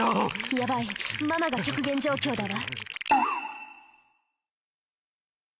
やばいママが極限状況だわ。